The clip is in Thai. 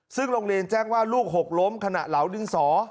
ซึ่งโรงเรียนแจ้งว่าลูกหกล้มขณะเหลาดินสอ